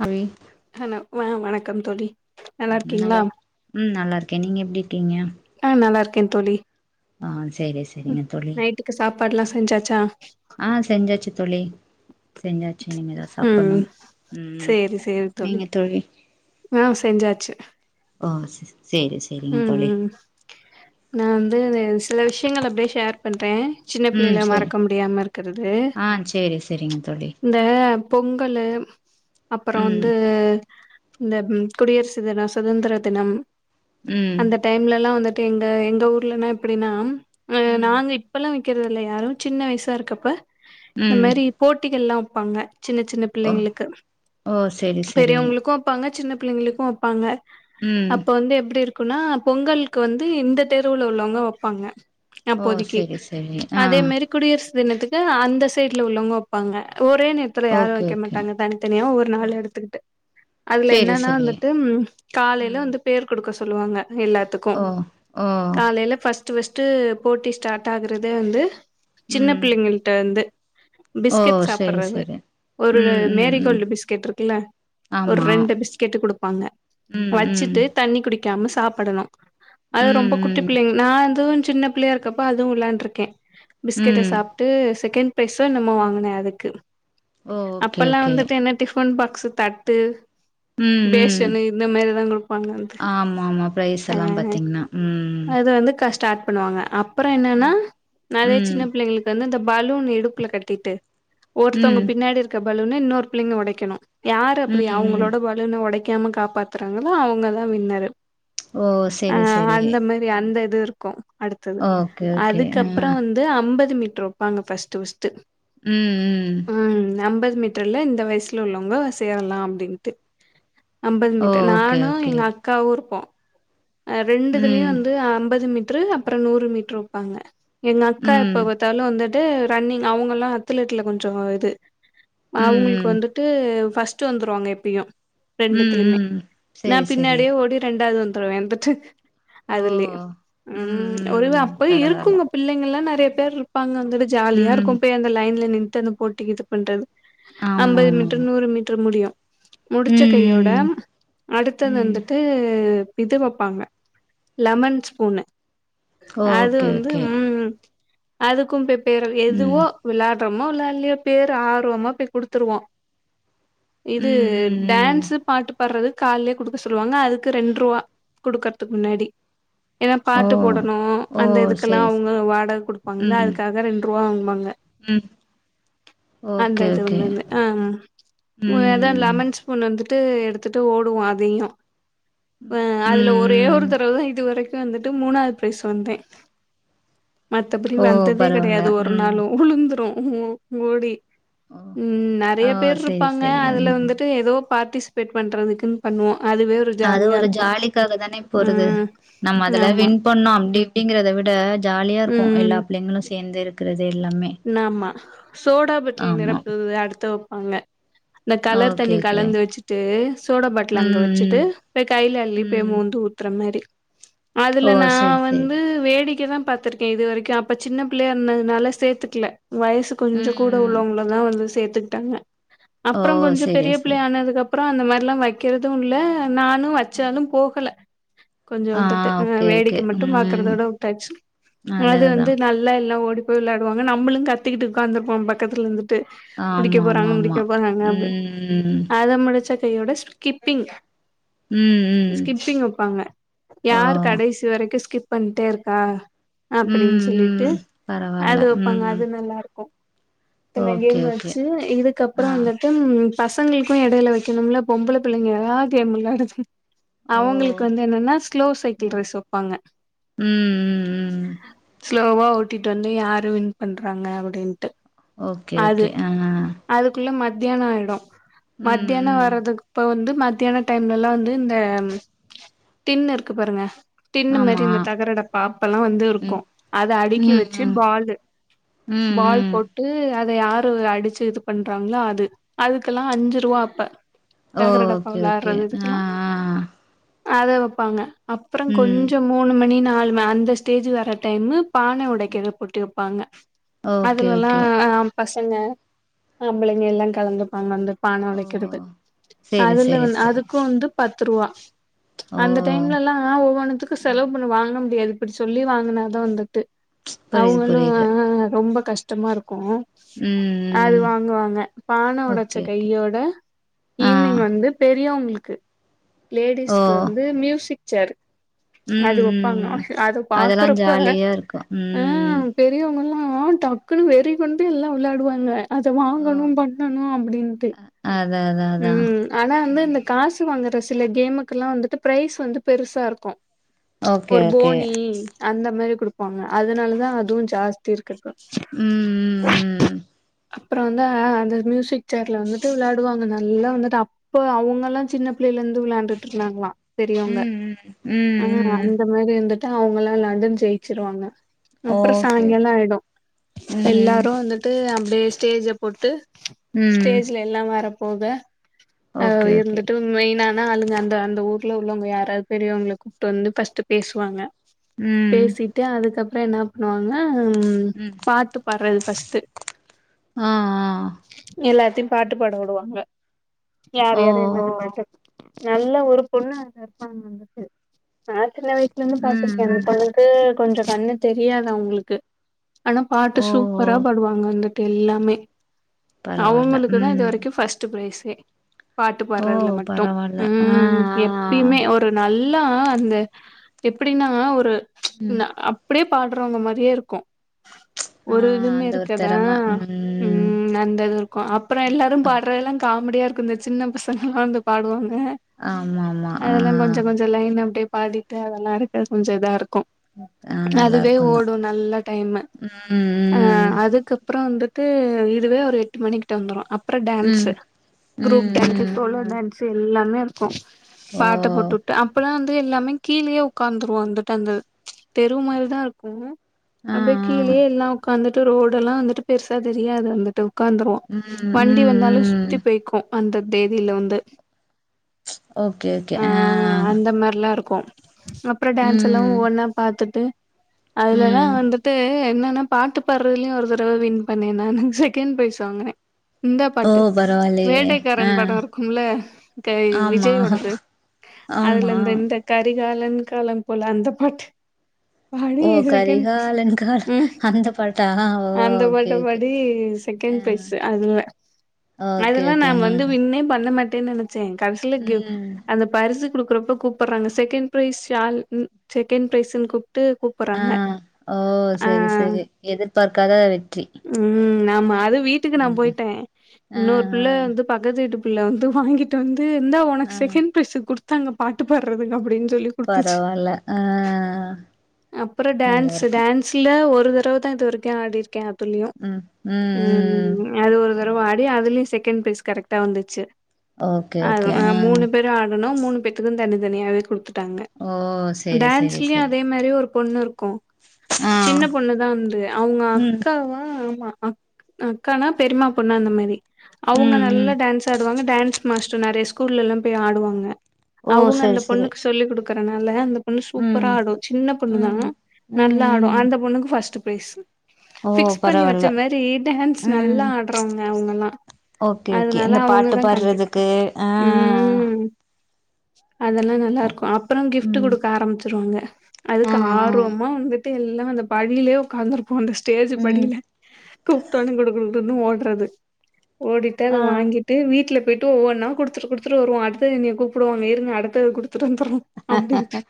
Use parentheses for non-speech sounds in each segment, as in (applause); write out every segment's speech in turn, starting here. Heavy ஹனோ வ வணக்கம் தோழி நல்லா ம் நல்லருக்கே நீங்க எப்டி இருக்கீங்க கே தோழி ஆ சேரி சேரிங்க தோழி நைட்டுக்கு சாப்பாட்ல்லா செஞ்சாச்சா ஆ செஞ்சாச்சு தோழி செஞ்சாச்சு இனிமேதா ம் சாப்புட்ணு ம் சேரி சேரி நீங்க தோழி ஆ செஞ் ஓ சேரி சேரிங்க ம் தோழி ம் நா வந்து து சில விஷ்யங்ள அப்டே ஷேர் பண்றே சின்ன ம் பிள்ளைல சேரி மறக்க முடியாம இருக்றது ஆ சேரி சேரிங்க தோழி இந்த பொங்கலு அப்பறோ ம் வந்து இந்த ம் குடியரசு தினோ சுதந்ர தினம் ம் அந்த டைம்லலா வந்து எங்க எங்க ஊர்லனா எப்டினா அ ம் நாங்க இப்பல்லா வக்றது இல்ல யாரு சின்ன வயசா இருக்கப்ப இந்த ம் மாரி போட்டிகள்லா வப்பாங்க சின்ன சின்ன ஓ பிள்ளைங்களுக்கு ஓ சேரி சேரி பெரியவங்ளுக்கு வப்பாங்க சின்ன பிள்ளைங்ளுக்கு வப்பாங்க ம் அப்ப வந்து எப்டி இருக்குனா பொங்கல்கு வந்து இந்த தெருவுல உள்ளவங்க வப்பாங்க ஓ அப்போதிக்கு சேரி சேரி ஆ அதே மேரி குடியர்சு தினத்துக்கு அந்த சைட்ல உள்ளவங்க வப்பாங்க ஒரே நேரத்ல யாரு ஓகே வக்க ஓகே மாட்டாங்க தனிதனியா ஒரு ஆ நாளு எடுத்துகிட்டு அதுல சேரி என்னனா சேரி வந்துட்டு காலைல ம் வந்து பேர் குடுக்க சொன் எல்லாத்துக்கு ஓ ஓ காலைல ஃபஸ்ட் ஃபஸ்ட் ஸ்ட்டு போட்டி ஸ்டாட் ஆக்றதே வந்து சின்ன ம் பிள்ளைங்ள்ட்டேந்து ஓ பிஸ்கெட் செரி சாப்ட்றது செரி ஒரு ம் ம் மேரி ம் கோல்டு பிஸ்கெட் இருக்குல ஒரு ஆமா ரெண்டு பிஸ்கெட்டு குடுப்பாங்க ம் ம் வச்சுட்டு தண்ணி குடிக் க்காம சாப்படணு அது ம் ரொம்ப குட்டி ம் பிள்ளைங்க நா வந்து சின்ன பிள்ளையா இருக்கப்ப அதுவு விளாண்ட்ருக்கே பிஸ்கெட்ட ம் சாப்ட்டு செகண்ட் பெரைஸு என்னமோ வாங்குனே அதுக்கு ஓ ஓகே அப்பெல்லா ஓகே வந்துட்டு என்ன டிஃ பன் பாக்ஷூ தட்டு ம் ம் பேஷனு இந்த மேரிதா குடுப்பாங்க வந்து ஆமா ஆமா ப்ரைஸ் எல்லா பாத்தீங்னா ம் ம் ப ஸ்டார்ட் பண்ணுவாங்க அப்பறோ என்னனா நெறைய ம் சின்ன பிள்ளைங்களுக்கு வந்து இந்த பு பலூன் இடுப்புல கட்டிட்டு ஒருத்தங்க ம் பின்னாடி இருக்க பலூன இன்னொரு பிள்ளைங்க ஒடைக்கணு யாரு அப்டி ம் ம் அவுங்களோட பலுன ஒடைக்காம காப்பாத்துறாங்ளோ அவுங்கதா வின்னரு ஓ அ செரி செரி அந்த மரி அந்த இதுருக்கு அடுத்தது ஓகே ஓகே ஆ அதுக்கப்பறோ வந் ந்து அம்பது மீட்ரு வப்பாங்க ஃபஸ்ட்டு ஃபஸ்ட்டு ம் ம் மீட்ருல இந்த வய்சுல உள்ளவுங்க சேரலா அப்டின்ட்டு அம்பது ஓ மீட்டர் ஓகே நானு ஓகே எங்க அக்காவுருப்போ அ ரெண்டுதுலயு ம் வந்து அம்பது மீட் ட்ரு அப்பறோ நூறு மீட்ரு வப்பாங்க எங்க அக்கா ம் ம் எப்ப பாத்தாலு வந் து ரன்னிங் அவுங்களா அத்லட்ல கொஞ்சோ இது அவுங்களுக்கு ம் வந்துட்டு ஃபஸ்ட்டு வந்துருவாங்க எப்பயு ம் ரெண்டுத்துலியுமே ம் நா செரி செரி பின்னாடியே ஓடி ரெண்டாவது வந்துருவே வந்துட்டு ஓ அதுலே ம் ஒருவ அப்பவே இருக்குங்க பிள்ளைங்கல்லா நெறைய பேர் இருப்பாங்க அங் (unintelligible) ஜாலியாருக்கு ம் போய் அந்த லைன்ல நின்ட்டு அந்த போட்டிக்கு இது பண்றது அம்பது ஆமாமாமா மீட்ரு நூறு மீட்ரு முடியு முடிச்ச கையோட ம் ம் அடுத்தது ம் வந்துட்டு இ இது வப்பாங்க லெமன் ஸ்பூனு ஓ! அது ஓகே வந்து ஓகே ம் அதுக்கு பெ பேர வ எதுவோ ம் விளாட் றமோ விளாடலையோ பேர் ஆர்வமா போய் குடுத்துருவோ இது ம் ம் ம் டான்ஸ் பாட்டு பாடுறது காலேயே குடுக்க சொல்லுவாங்க அதுக் கு ரெண்ரூவா குடுக்கறதுக்கு முன்னாடி ஏன்னா ஓ பாட்டு போடணு ஓ அந்த இதுக்கெல்லா செரி அவுங்க செரி வாடக குடுப்பாங்கல்ல ம் அதுக்காக ரெண்டு ரூவா வாங்குவாங்க ம் அந்த ஓகே இது ஓகே ஒண்ணுது ஆ ம் ம் ஏதோ ம் லெமன் ஸ்பூன் வந்துட் டு எடுத்துட்டு ஓடுவோ அதயு ஆ அதுல ம் ஒரே ம் ஒரு தடவ தா இதுவரை க்கு வந்துட்டு மூணாது பிரைஸ் வந்தே மத்தபடி ஓ வந்ததே பரவால்ல கெடையாது ஒரு ம் நாளு உளுந்துரு ஓடி ஓ ம் நெறைய ஓ பேர் செரி இருப்பாங்க செரி அதுல ம் வந்துட்டு ஏதோ பார்ட்டிசிபேட் பண்றதுக்குன்னு பண்ணுவோ அது வே அது ஒரு ஜாலிக்காக தானே போறது ம் நம்ம அதுல ஆமா வின் பண்ணோ அப்டி இப்டிங்கிறத விட ஜாலியா இருக்கு எல்லா பிள்ளைங்களு சேந்தே இருக்குறது நாமா சோடா பட்டில் ஆமா நெரப்புறது அடுத்து வப்பாங்க இந்த கலர் ஓகே தண்ணி ஓகே கலந்து வச்சிட்டு சோடா பாட்டில் அங்க வச்சிட்டு ம் போய் கைல அள்ளி ம் போய் ம் மோந்து ஊ த்துறமாரி அதுல ஓ நா செரி செரி வந்து வேடிக்க தா பாத்துருக்கே இது வரைக்கு அப்ப சின்ன பிள்ளையா இருந்ததுனால சேத்து கில வயசு கொஞ்சோ ம் கூட ம் உள்ளவுங்களதா வந்து சேத்துக்கிட்டாங்க ஓ அப்பறோ கொஞ்சோ செரி பெரிய செரி பிள்ளையா ஆனதுக்கு அப்பறோ அந்த மாரில்லா வக்கிறது இல்ல நானு வச்சாலு போகல கொஞ்சோ வந்துட்டு ஆ ஓகே ஓகே வேடிக்க மட்டு ம் பாக்குறதோட வுட்டாச்சு அதா அது அதா வந்து நல்லா எல்லா ஓடி போய் வெளாடுவாங்க நம்மளு கத்திகிட்டு உக்காந்திருப்போ பக்கத்துல இருந்துட் ட்டு முடிக்க ஆமா போறாங்க ஆமா ஆமா முடிக்க போறாங்க அப்டி ம் அத முடிச்சக் பேயோட ஸ்கிப்பிங் ம் ம் ஸ்கிப்பிங் வப்பாங்க ஓ யார் கடைசி வரைக்கு ஸ்கிப் பண்ணிட்டே இருக்கா அப்டின்னு ம் சொல்லிட்டு ம் பரவால்ல அது வப் பாங்க ம் அது நல்லா இருக்கு இத்தன ஓகே கேம் ஓகே வச்சு இதுக்கப்பறோ ஆ வந்துட்டு பசங்களுக்கு எடேல வைக்கணும்ல பொம்பள பிள்ளைங்களா கேம் வெள்ளாடுது ஓ அவுங்களுக்கு வந்து என்னன்னா ஸ்லோ சைக்கிள் ம் ரேஸ் வப்பாங்க ம் ம் ம் ஸ்லோவா ஓட்டிட்டு வந்து யாரு வின் பண்றாங்க அப்டின்ட்டு ஓகே அது ஓகே ஆ ம் அதுக்குள்ள மத் தியானோ ஆயிடு மத்தியானோ ம் வர்றதுக்கு இப்ப வந்து மத்தியான டைம்லல்லா வந்து இந்த டின் இருக்கு பாருங்க டின்னு மாரி ஆமா இந்த தகர டப்பா அப்ப எல்லா வந்து இருக்கு ம் அத அடுக்கி ம் வச்சி ம் பாலு ம் பால் ம் போட்டு அத யாரு அடிச்சி இது பண்றாங்களோ அது அதுக்கெல்லா அஞ்சு ரூவா அப்ப ஓ தகரடப்பா ஓகே ஓகே விளாடுறது ஆ இதுக்கெல்லா ஆ அத வப்பாங்க அப்பறோ ம் கொஞ்சோ மூணு மணி நாலு மணி அந்த ஸ்டேஜ் வர்ற டைமு பானை ம் உடைக்கிற போட்டி வப்பாங்க ஓகே அதுலலா ஓகே ஆ பசங்க ஆம்பளைங்க எல்லா கலந்துப்பாங்க வந்து பான ஓ உடைக்கிறது சேரி அதுல சேரி வந் சேரி அதுக்கு வந்து பத் பத்து ரூவா ஓ அந்த டைம்லல்லா ஒவ்வொன்னுத்துக்கு ம் செலவு பண்ண வாங்க முடியாது இப்டி சொல்லி வாங்குனாதா வந்துட்டு புரியுது அவுங்களு புரியுது ரொம்ப கஷ்டமா இருக் கு அது ம் ம் வாங்கு வாங்க பான ஓகே ஒடச்ச ஓகே கையோட ஆ ஈவினிங் வந்து பெரியவங்களுக்கு ஓ லேடிஸ்க்கு வந்து மியூசிக் சேரு அது ம் ம் வப்பாங்க ம் அத அதெல்லா பாக்குறப்ப ஜாலியா இருக்கு ஆ ம் பெரியவங்கல்லா ம் ஆ டக்குன் வெறி கொண்டு எல்லா விளையாடுவாங்க அத ஓ வாங்கணு பண்ணணு அப்புடின்ட்டு அதா அதா அதா உம் உம் ஆனா வந்து ம் இந்த காசு வாங்குற சில கேமுக்கு எல்லா வந்துட்டு ப்ரைஸ் வந்து பெருசா இருக்கும் ஓகே ஒரு ஓகே போனி அந்த மாரி குடுப்பாங்க அதனால தான் அதுவும் ஜாஸ்தி இருக் (inaudible) ம் ம் அப்றோம் வந்தா அந்த மியூசிக் சேர்ல வந்துட்டு விளையாடுவாங்கங்க நல்லா வந்துட்டு அப்ப அவங்க எல்லா சின்ன பிள்ளையில இருந்து விளையாண்டுட்டு இருந்தாங்களா பெரியவங்க ம் ம் ம் ஆஹ் ம் அந்த மாரி இருந்துட்டு அவுங்கல்லா விளையாண்டு ஜெயிச்சுருவாங்க அப்றோ ஓகே சாய்ங்காலம் ஆயிடும் ம் எல்லாரும் வந்துட்டு அப்படியே ஸ்டேஜ் அ போட்டு ம் ஸ்டேஜ்ல எல்லாம் வரப்போக அஹ் ஓகே ஓகே இருந்துட்டு மெயினா நா ஆளுங்க அந்த அந்த ஊர்ல உள்ளவங்க யாராவது பெரியவங்கள கூப்ட்டு வந்து ஃபஸ்ட்டு பேசுவாங்க ம் பேசிட்டு அதுக்கப்புறோ என்ன பண்ணுவாங்க ம்ம்ம்ம் ம் பாட்டு பாட்றது ஃபஸ்ட்டு ஆ எல்லார் தி பாட்டு பாட வுடுவாங்க யார் ஆ யாரு ஓ என்ன என்ன பாட்டு நல்லா ஒரு பொண்ணு அ இருப்பாங்க வந்துட்டு சின்ன வயசுல இருந்து ம் பாத்திருக்கேன் அந்த ம் பொண்ணுக்கு கொஞ்சோ கண்ணு தெரியாது அவுங்களுக்கு ஆனா பாட்டு ஓ ஓ சூப்பரா பாடுவாங்க வந்துட்டு எல்லாமே பரவால்ல அவுங்களுக்குதா இது ம் வரைக்கும் ஃபஸ்ட் ப்ரைஸ்ஸே பாட்டு ஓ பாடுறதுல மட்டும் பரவால்ல ஆ உம்ம்ம் ஆ எப்பயுமே ஒரு நல்ல எல்லா அந்த எப்புடின்னா ஒரு ம் அப்டியே பாடுறவுங்க மாரியே இருக்கும் ஆ ஒரு இதுமே அந்த ஒரு இருக்காதா தெறம ம் உம் அந்த இது இருக்கும் அப்றோ எல்லாரும் பா எல்லா காமெடியா இருக்கும் இந்த சின்ன பசங்க எல்லாம் வந்து பாடுவாங்க ஹ ஆமா ஆமா ஆ அதெல்லாம் கொஞ்சோ கொஞ்சோ லைன் அப்டியே பாடிட்டு அதெல்லா இருக்க கொஞ்சோ இதா இருக்கு ஆ க்கு நல்லா அதுவே இருக்குந்தா ஓடு நல்ல டைம்ம ம் ம் அஹ் அதுக்கப்றோம் வந்துட்டு இதுவே ஒரு எட்டு மணிக்கிட்ட வந்துரும் அப்றோ சே ம் ம் குருப் டான்ஸ்ஸு ம் சோலோ டான்ஸ்ஸு எல்லாமே இருக்கும் ஓ பாட்ட போட்டுவுட்டு அப்றோம் எல்லாமே கீழேயே உட்கார்ந்துருவா வந்துட்டு அந்த தெரு மாரி தான் இருக்கும் ஆ ஆ அப்டியே கீழேயே எல்லாம் உட்காந்துட்டு ரோடு எல்லாம் வந்துட்டு பெருசா தெரியாது வந்துட்டு உக்காந்துருவோம் ம் வண்டி ம் வந்தாலும் ம் சுத்தி போய்க்கும் அந்த தேதியில வந்து ஓகே ஓகே ஆஹ் அப்புறம் டான்ஸ் எல்லாம் ஒவ்வொன்னா பாத்துட்டு ம் அதுலல்லாம் வந்துட்டு என்ன நா பாட்டு பாடுறதுலயும் ஒரு தடவ வின் பண்ணேன் நான் செகண்ட் ப்ரைஸ் வாங்குனேன் இந்த ஓ பாட்டு பரவால்லயே ஆ வேட்டைக்காரன் படம் இருக்கும்ல ஆமா விஜய்யோடது அதுல ஆமா இந்த இந்த கரிகாலன் காலம் போல அந்த பாட்டு பாடி செகண்ட் உம் அந்த பாட்டா? அந்த பாட்ட பாடி செ ஆ. செகண்ட் ப்ரைஸ் அதுல ஓகே, அதெல்லாம் நா ஓகே. ஆ. வந்து விண்ணே பண்ண மாட் மாட்டேன்னு நினைச்சேன் கடைசில ம். அந்த பரிசுக் கொடுக்குறப்ப கூப்டுறாங்க செகண்ட் ப்ரைஸ் செகண்ட் ப்ரைஸ்ன்னு கூப்பு பாத்து ஆ. கூப்புடுறாங்க ஓ! சரி, ஆஹ் ஆஹ் சரி. எதிர்பார்க்காத வெற்றி. உம்ம்ம் ஆமா அது வீட்டுக்கு நான் ம். போயிட்டேன் ஆ, இன்னொரு ஆ, பிள்ள வந்து பக்கத்து வீட்டு பிள்ள வந்து வாங்கிட்டு வந்து ஏய் இந்தா உனக்கு ஆ. செகண்ட் ப்ரைஸ் கொடுத்தாங்க பாட்டு பாடுறது அப்படின் சொல்லி கொடுத்துச்சு பரவால்ல. ஆ. அப்புறம் டான்ஸ் நல்லாருக்கும். டான்ஸ்ல ஒரு ஒரு தடவ தான் இது வரைக்கும் ஆடி இருக்கேன் அதுலயும் ம். ம், உம் ம். உம் அது ஒரு தடவ ஆடி அதுலயும் செகண்ட் ப்ரைஸ் கரெக்டா வந்துச்சு ஓகே, ஓகே. ஆ. அஹ் மூணு பேரு ஆடணும் மூணு பேத்துக்கும் தனித்தனியாவே கொடுத்துட்டாங்க ஓ! சரி, சரி, டான்ஸ்லயும் சரி. அதே மாதிரி ஒரு பொண்ணு இருக்கும் ஆ. சின்ன பொண்ணு தா வந்து அவுங்க ம். அக்காவா ஆமா அ அக்காணா பெரிமா பொண்ணு அந்த மாரி அவுங்க ம், ம். நல்லா டான்ஸ் ஆடுவாங்க டான்ஸ் மாஸ்டர் நறைய ஸ்கூல்ல எல்லா போய் ஆடுவாங்க ஓ! அவுங்க சரி, அந்த சரி. பொண்ணுக்கு சொல்லி குடுக்குறனால அந்த பொண்ணு சூப்பரா ம். ஆடு சின்ன பொண்ணுதா ம். ம், நல்லா ஆடு ம். அந்த பொண்ணுக்கு ஃபர்ஸ்ட் ப்ரைஸ் ஓ ஃபிக்ஸ் பண்ணி பரவால்ல வச்ச மாரி டான்ஸ் நல்லா ம் ஆடறவங்க அவுங்கல்லா ஓகே ஓகே அதனால இந்த பாட்டு அவுங்கதா கண்டிப்பா பாடுறதுக்கு அ ம் அதெல்லா நல்லா இருக்கு அப்புற கிஃப்ட் ம் குடுக்க ஆரம்பிச்சிருவாங்க அதுக்கு ம் ம் ஆர்வமா வந்து எல்லா அந்த படிலயே உக்காந்துருப்போ அந்த ஸ்டேஜ் ம் படில கூப்ட்டொன்னே குடு குடு ன்னு ஓடறது ஓடிட்டு அத ஆ வாங்கிட்டு வீட்ல போயிட் டு ஒவ்வொன்னா குடுத்துட்டு குடுத்துட்டு வருவோ அடுத்தது என்னைய கூப்டுவாங்க இருங்க அடுத்தது குடுத்துட்டு வந்தர்றோ அப்டினு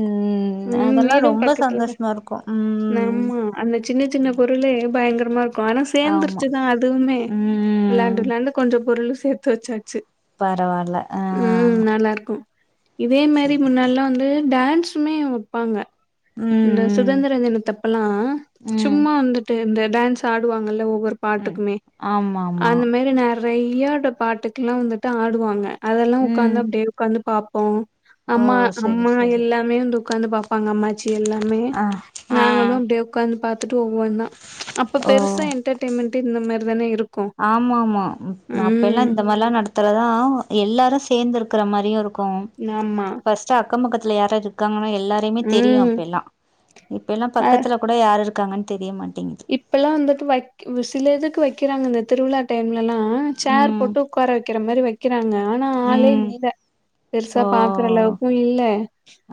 ம் ம் அதெல்லா வீடும் ரொம்ப பக்கத்துலதா சந்தோஷமா இருக்கு ம் ஆம்மா அந்த சின்ன சின்ன பொருளே பயங்கர மா இருக்கு ஆனா ஆமா சேந்துருச்சுனா அதுமே ம் விளாண்டு விளாண்டு கொஞ்ச பொருளு சேத்து வச்சாச்சு பரவால்ல ஆ ம் நல்லாருக்கு இதே மாரி சேரி முன்னாலலா வந்து டான்ஸுமே வெப்பாங்க இந்த ம் ம் சுதந்திர தினத்தப்பல்லா ம் சும்மா வந்துட்டு இந்த டான்ஸ் ஆடுவாங்கல்ல ஒரு ம் பாட்டுக்குமே ஆமா ஆமா அந்த மாரி நறையா ட பாட்டுக்கெல்லா வந்துட்டு ஆடுவாங்க அதெல்லா உக்காந்து ம் அப்டியே உக்காந்து பாப்போ ஓ அம்மா செரி அம்மா செரி எல்லாமே வந்து உக்காந்து பாப்பா பாங்க அம்மாச்சி எல்லாமே ஆ ஆ நாங்களு அப்டியே உக்காந்து பாத் டு ஒவ்வொன்னா அப்ப பெருசா ஓ என்டர்டெய்மெண்ட் இந்த மாரி தானே இருக்கு ஆமாமா அப்பயல்லா ம் இந்த மாரிலா நடத்துறதா எல்லாரு சேந்திருக்கிற மாரியு இருக் க்கு ஆமா ஃபர்ஸ்ட் அக்கம் பக்கத்துல யார் யார் இருக்காங்கன்னு எல்லாரையுமே தெரியு ம் அப்பய்லா இப்பெல்லா அ பக்கத்துல கூட யாரு இருக்காங்கன் தெரிய மாட் இப்பல்லா வந்துட்டு வக் சில இதுக்கு வக்கிறாங்க இந்த திருவிழா டைம் பல்லா சேர் ம் போட்டு உக்கார வெக்கிற மாரி வெக்கிறாங்க ஆனா ஆளே ம் இல்ல பெருசா ஓ பாக்குற அளவுக்கு இல்ல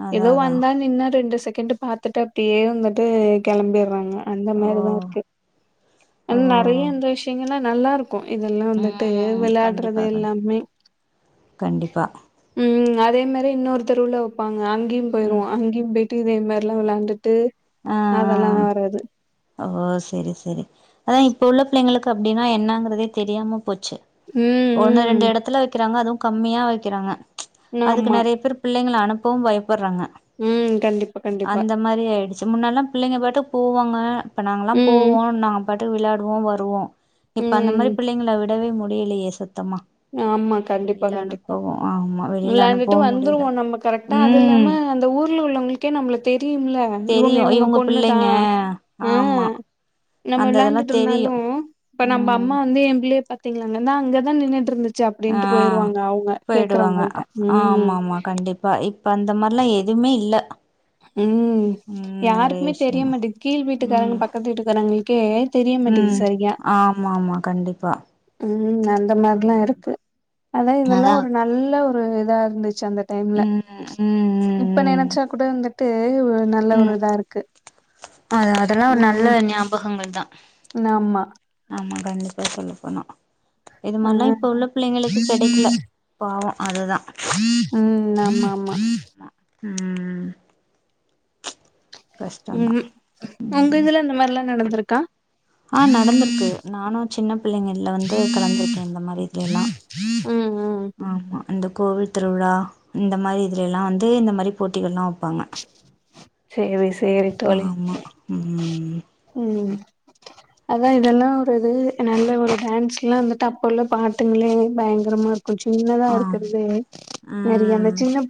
அதா எதோ அதா வந்த நின்ன ரெண்டு செ கண்டு பாத்துட்டு அப்டியே வந்துட்டு கெளம்பிர்றாங்க இந்த ஓ மாரிதா இருக்கு ஓ ஆன நறைய இந்த விஷயங்கள்லா நல்லா இருக் க்கு இதெல்லா வந்துட்டு ம் விளாடறது கண்டிப்பா கண் எல்லாமே கண்டிப்பா ம் அதே மாரி இன்னொரு தெருவுல வெப்பாங்க அங்கேயு போயிருவோ ம் அங்கேயும் போயிட்டு இதே மாரிலா விளாண்டுட் ஆ ஆ ஓ சரி சரி ஆனா இப் இப்ப உள்ள பிள்ளைங்களுக்கு அப்டினா என்னாங்கிறதே தெரியாம போச்சு ம், ஒன்னு ரெண்டு ம். எடத்துல வக்கிறாங்க அதுவு கம்மியா வக்கிறாங்க அதுக்கு ஆமா. நெறையா பேர் பிள்ளைங்கள அனுப்பவு பயப் படறாங்க ம். கண்டிப்பா, கண்டிப்பா. அந்த மாரி ஆயிடுச் முன்னெல்லா பிள்ளைங்க பாட்டுக்கு போவாங்க இப்ப நாங்கலா ம், போவோ நாங்க பாட்டுக்கு விளாடுவோ வருவோ இப்ப அந்த ம். மாரி பிள்ளைங்கள விடவே முடிலையே சத் ஆமா கண்டிப்பா கண்டிப்பா ஆமா வெளில விளாண்டுட்டு அனுப்பவு முடியல வந்துருவோ நம்ம கரெக்டா அது ம் இல்லாம அந்த ஊர்ல உள்ளவங்களுக்கே நம்மள தெரியும்ல அ இவுங்க தெரியு இவுங்க பொண்ணுதா பிள்ளைங்க அ ஆமா நம்ம அந்த இதெல்லா தெரியு விளாண்டுட்ருந்தாலு இப்ப நம்ப ம் அம்மா வந்து எம்பிள்ளைய பாத்திங்ளாங்க இந்தா அங்கதா நின்னுட்ருந்து ஆ போயிடுவாங்க ம். ஆமாமா கண்டிப்பா இப்ப அந்த மார்லா எது மே இல்ல ம் ம் நெறைய யாருக்குமே தெரிய விஷயங்க மாட்டிங்கி கீழ் வீட்டுக்காரங்க ம் பக்கத்து வீட்டுக்காரங்ளுக்கே தெரிய மாட்டிங்குது ம் சரியா ஆமா ஆமா கண்டிப்பா ம் அந்த மாரிலா இருக்கு ஆனா இதெல்லா அதா ஒரு நல்ல ஒரு இதா இருந்துச்சு அந்த டைம்ல ம் ம் ம் இப்ப ம் நெனச்சா கூட அந்த ட்டு ஒ நல்ல ஒரு இதா இருக்கு அ அதெல்லா ஒரு நல்ல ம் ஞாபகங்கள் தா ஆமா ஆமா கண்டிப்பா சொல்லப் போனா இது ஆ மாரிலா இப்ப உள்ள பிள்ளைங்களுக்கு கெடைக்கல பாவ ம் ஆமா ஆமா ம் கஷ்டந்தா ம் உங்க இதுல இந்த மாரிலா நடந்துருக்கா அ நடந்துருக்கு நானு சின்ன பிள்ளைங்கள்ல வந்து கலந்திருக்கே இந்த மாரி இதுல எல்லா ம் ம் ஆமா அந்த கோவில் திருவிழா இந்த மாரி இதுல எல்லா வந்து இந்த மாரி போட்டிகள்லா வெப்பாங்க சேரி சேரி தோழி ம் ம் அதா இதெல்லா ஒரு இது நல்ல ஒரு டான்ஸ்லா வந்துட்டு அப்ப உள்ள பாட்டுங்களே பயங்கரமா இரு கு சின்னதா ஆ இருக்கதுவே நெறைய அந்த ம் சின்ன பிள்ளைங்